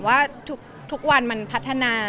ว่าทุกวันมันพัฒนา